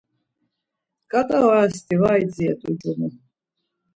Ǩat̆a orasti var idziret̆u ncumu.